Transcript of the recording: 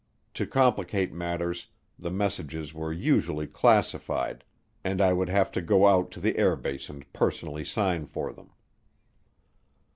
To complicate matters, the messages were usually classified and I would have to go out to the air base and personally sign for them.